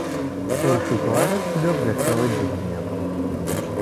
Ur cukkeɣ ara tesliḍ-d acu i d-nniɣ.